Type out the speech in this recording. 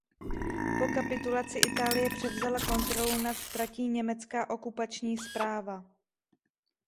Po kapitulaci Itálie převzala kontrolu nad tratí německá okupační správa.